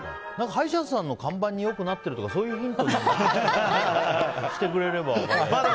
歯医者さんの看板によくなってるとかそういうヒントにしてくれれば。